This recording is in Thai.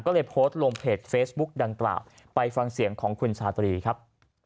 ก็เลยโพสต์ลงเพจเฟซบุ๊กดังกล่าวไปฟังเสียงของคุณชาตรีครับ